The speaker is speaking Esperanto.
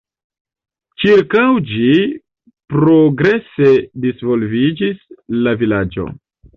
Ĉirkaŭ ĝi progrese disvolviĝis la vilaĝo.